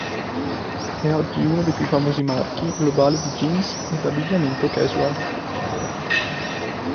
È oggi uno dei più famosi marchi globali di jeans ed abbigliamento casual.